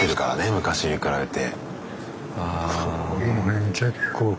昔に比べて。